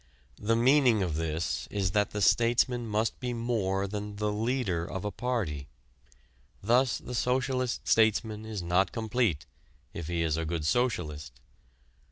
The meaning of this is that the statesman must be more than the leader of a party. Thus the socialist statesman is not complete if he is a good socialist.